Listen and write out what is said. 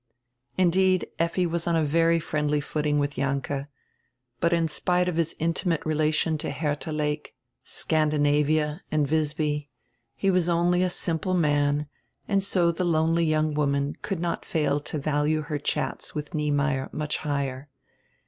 Indeed Effi was on a very friendly footing with Jalinke. But in spite of his intimate relation to Hertha Lake, Scan dinavia, and Wisby, he was only a simple man and so die lonely young woman could not fail to value her chats with Niemeyer much higher.